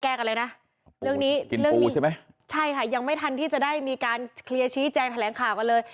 แก้กันเลยนะเรื่องนี้ใช่ค่ะยังไม่ทันที่จะได้มีการเคลียร์ชี้แจ้งแถลงข่าวกันเลย